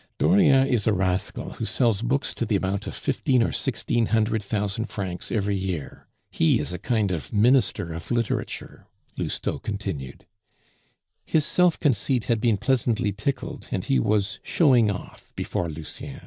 "Dauriat is a rascal who sells books to the amount of fifteen or sixteen hundred thousand francs every year. He is a kind of Minister of Literature," Lousteau continued. His self conceit had been pleasantly tickled, and he was showing off before Lucien.